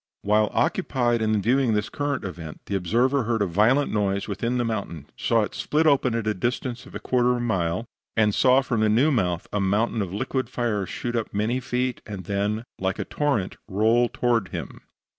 While occupied in viewing this current, the observer heard a violent noise within the mountain; saw it split open at the distance of a quarter of a mile, and saw from the new mouth a mountain of liquid fire shoot up many feet, and then, like a torrent, roll on toward him.